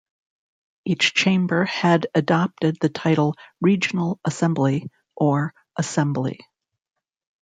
Each chamber had adopted the title "regional assembly" or "assembly".